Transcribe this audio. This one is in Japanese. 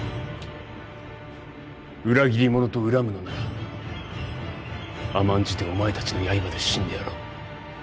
裏切り者と怨むのなら、甘んじてお前たちの刃で死んでやろう。